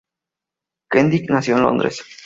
Kendrick nació en Londres.